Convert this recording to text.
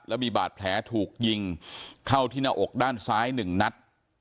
แล้วมีบาดแผลถูกยิงเข้าที่หน้าอกด้านซ้าย๑นัด